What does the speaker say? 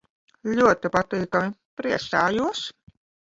Ļoti patīkami. Priecājos.